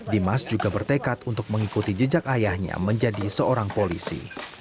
dimas juga bertekad untuk mengikuti jejak ayahnya menjadi seorang polisi